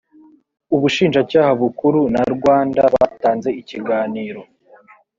ubushinjacyaha bukuru na rwanda batanze ikiganiro